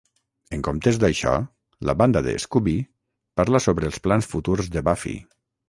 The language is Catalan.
En comptes d'això, la banda de Scooby parla sobre els plans futurs de Buffy.